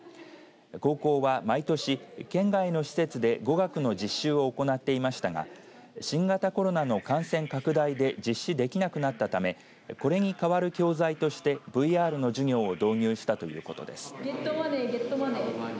高校は、毎年県外の施設で語学の実習を行っていましたが新型コロナの感染拡大で実施できなくなったためこれに代わる教材としてＶＲの授業を導入したということです。